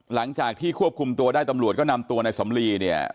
หลังจากที่ควบคุมตัวได้ตำรวจก็นำตัวในสำลีเนี่ย